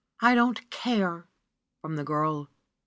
don't care !" from the girl.